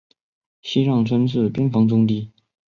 西让村是边防重地。